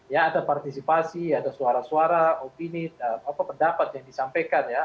ya ada partisipasi ada suara suara opini pendapat yang disampaikan ya